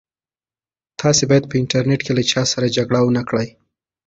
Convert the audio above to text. تاسي باید په انټرنيټ کې له چا سره جګړه ونه کړئ.